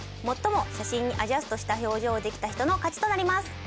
最も写真にアジャストした表情をできた人の勝ちとなります。